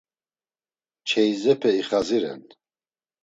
Çeyizepe ixaziren.